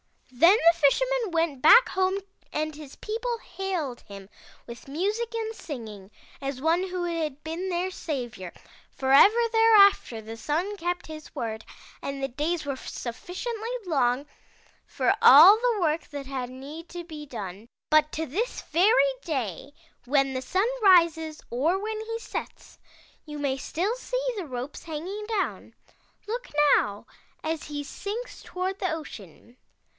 "Then the Fisherman went back home and his people hailed him with music and singing, as one who had been their savior, for ever thereafter the Sun kept his word and the days were suffi ciently long for all the work that had need to be done. "But to this very day when the Sun rises or when he sets, you may still see the ropes hanging down. Look now, as he sinks toward the ocean!